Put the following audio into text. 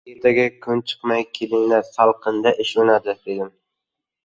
— Ertaga kun chiqmay kelinglar, salqinda ish unadi! — dedim.